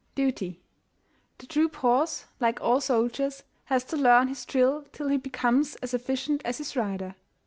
DUTY. The troop horse, like all soldiers, has to learn his drill till he becomes as efficient as his rider.